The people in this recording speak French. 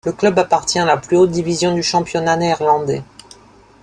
Le club appartient à la plus haute division du championnat néerlandais.